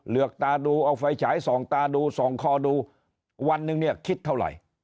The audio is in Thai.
ตาดูเอาไฟฉายส่องตาดูส่องคอดูวันหนึ่งเนี่ยคิดเท่าไหร่